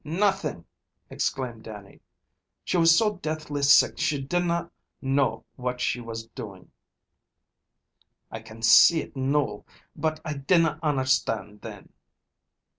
"Nothing!" exclaimed Dannie. "She was so deathly sick she dinna what she was doing. I can see it noo, but I dinna understand then."